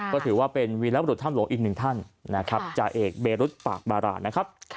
ก็ถือว่าเป็นวีรับรุธธรรมโลกอีกหนึ่งท่านจาเอกเบรุฑปากบารานะครับ